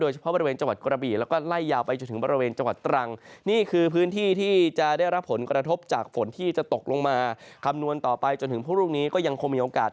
จนถึงพวกลูกนี้ก็ยังคงมีโอกาส